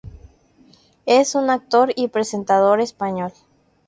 Es un actor y presentador español.